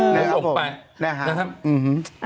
นะครับ